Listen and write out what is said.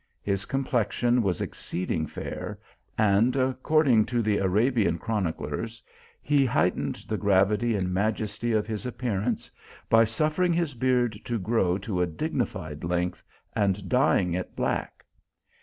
His complexion was ex ceeding fair, and, according to the Arabian chron iclers, he heightened the gravity and majesty of his 298 THE ALHAMBRA. appearance by suffering his beard to grow to a dig nified length, and dying it black.